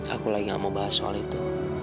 aku lagi gak mau bahas soal itu